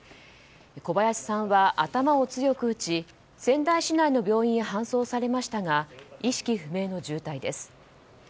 小林さんは頭を強く打ち仙台市内の病院へ搬送されましたが意識不明の重体です。